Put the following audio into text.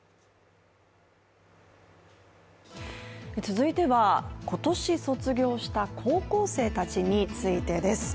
続いては、今年卒業した高校生たちについてです。